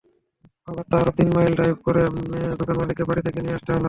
অগত্যা আরও তিন মাইল ড্রাইভ করে দোকানমালিককে বাড়ি থেকে নিয়ে আসতে হলো।